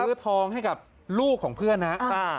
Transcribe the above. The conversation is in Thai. ซื้อทองให้กับลูกของเพื่อนนะครับ